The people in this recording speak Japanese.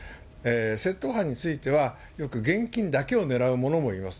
窃盗犯については、よく現金だけを狙うものもいます。